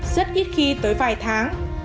rất ít khi tới vài tháng